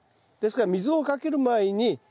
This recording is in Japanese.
ですから水をかける前に。